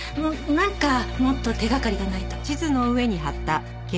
なんかもっと手掛かりがないと。